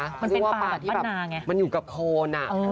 มันเป็นปลาแบบที่แบบมันอยู่กับโคนน่ะ